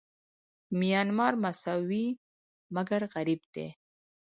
میانمار مساوي مګر غریب دی.